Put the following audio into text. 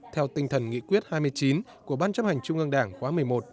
theo tinh thần nghị quyết hai mươi chín của ban chấp hành trung ương đảng khóa một mươi một